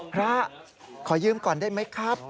พระขอยืมก่อนได้ไหมครับ